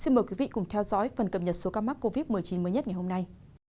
xin mời quý vị cùng theo dõi phần cập nhật số ca mắc covid một mươi chín mới nhất ngày hôm nay